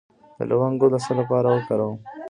د لونګ ګل د څه لپاره وکاروم؟